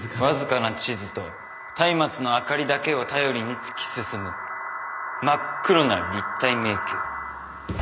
わずかな地図とたいまつの明かりだけを頼りに突き進む真っ黒な立体迷宮